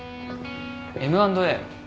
Ｍ＆Ａ